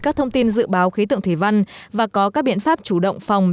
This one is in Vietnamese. các thông tin dự báo khí tượng thủy văn và có các biện pháp chủ động phòng